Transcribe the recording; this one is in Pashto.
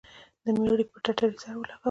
د مړي پر ټټر يې سر لگاوه.